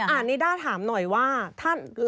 อันนี้ด้าถามหน่อยว่า